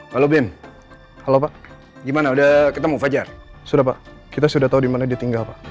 karena ga ada papa mungkin